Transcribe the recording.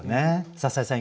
篠井さん